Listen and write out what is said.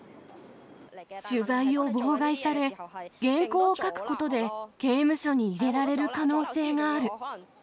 取材を妨害され、原稿を書くことで刑務所に入れられる可能性がある。